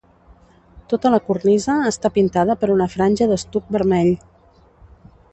Tota la cornisa està pintada per una franja d'estuc vermell.